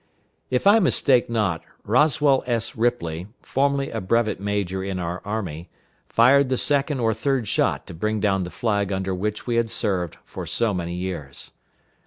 If I mistake not, Roswell S. Ripley, formerly a brevet major in our army, fired the second or third shot to bring down the flag under which he had served for so many years.